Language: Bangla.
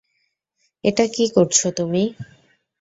এটা কী করছো তুমি?